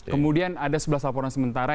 kemudian ada sebelas laporan sementara